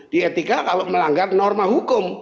di etika kalau melanggar norma hukum